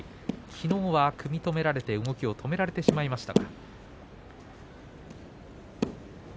きのうは組み止められて動きを止められてしまいました。